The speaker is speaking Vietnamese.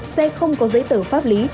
xe không có giấy tờ pháp lý